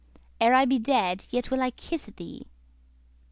Ere I be dead, yet will I kisse thee."